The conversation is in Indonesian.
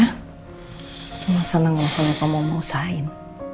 aku seneng loh kalau kamu mau usahain